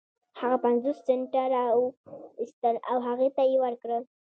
هغه پنځوس سنټه را و ايستل او هغې ته يې ورکړل.